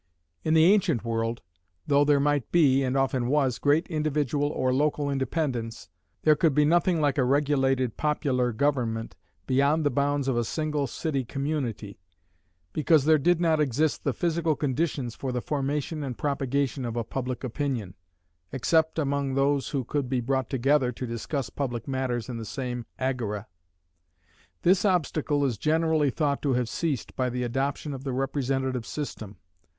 In the ancient world, though there might be, and often was, great individual or local independence, there could be nothing like a regulated popular government beyond the bounds of a single city community; because there did not exist the physical conditions for the formation and propagation of a public opinion, except among those who could be brought together to discuss public matters in the same agora. This obstacle is generally thought to have ceased by the adoption of the representative system.